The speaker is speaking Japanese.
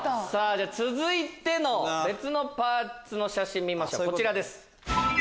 続いての別のパーツの写真見ましょうこちらです。